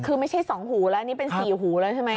คือไม่ใช่๒หูแล้วนี่เป็น๔หูแล้วใช่ไหม